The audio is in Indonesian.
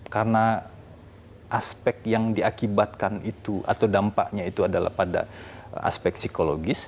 karena aspek yang diakibatkan itu atau dampaknya itu adalah pada aspek psikologis